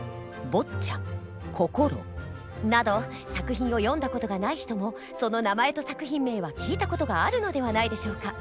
「坊っちゃん」「こころ」など作品を読んだ事がない人もその名前と作品名は聞いた事があるのではないでしょうか。